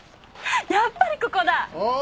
やっぱりここだおぉ！